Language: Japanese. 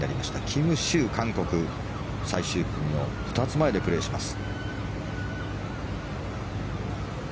キム・シウ、韓国最終組の２つ前でプレーします。